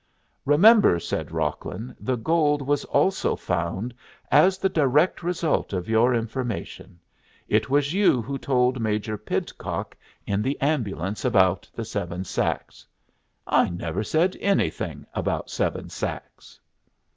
"Remember," said Rocklin, "the gold was also found as the direct result of your information. It was you who told Major Pidcock in the ambulance about the seven sacks." "I never said anything about seven sacks."